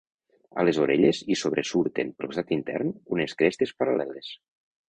A les orelles hi sobresurten, pel costat intern, unes crestes paral·leles.